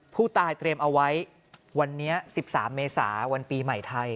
ผู้ตายเตรียมเอาไว้วันนี้๑๓เมษาวันปีใหม่ไทย